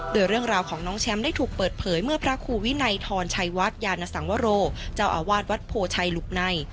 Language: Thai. โดยเรื่องราวของน้องแชมป์ได้ถูกเปิดเผยเมื่อพระครูวินัยทรชัยวัดยานสังวโรเจ้าอาวาสวัดโพชัยหลุกใน